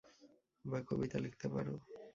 বা কবিতা লিখতে পারো?